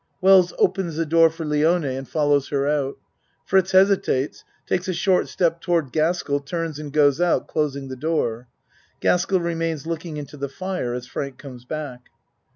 (Wells opens the door for Lione and follows her out. Fritz hesitates, takes a short step toward Gas kell, turns and goes out closing the door. Gaskell remains looking into the fire as Frank comes back.)